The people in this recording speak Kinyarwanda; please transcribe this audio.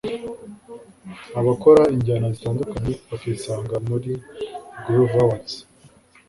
abakora injyana zitandukanye bakisanga muri Groove Awards